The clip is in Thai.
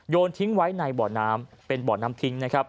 โยนทิ้งไว้ในบ่อน้ำเป็นบ่อน้ำทิ้ง